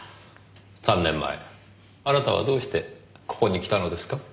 ３年前あなたはどうしてここに来たのですか？